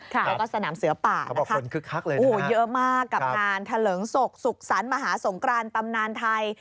แล้วก็สนามเสื้อป่านะคะโอ้โฮเยอะมากกับงานทะเลิงศกสุขสรรค์มหาสงครานตำนานไทย